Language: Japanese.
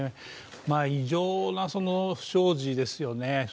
異常な不祥事ですよね。